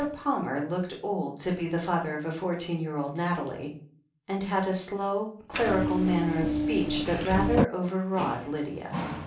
Palmer looked old to be the father of fourteen year old Nathalie, and had a slow, clerical manner of speech that rather overawed Lydia.